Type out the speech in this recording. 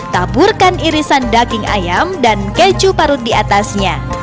taburkan irisan daging ayam dan keju parut diatasnya